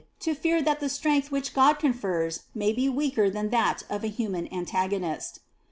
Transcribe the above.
n fear that the strength which God confers may be weaker than that of a human antagonist.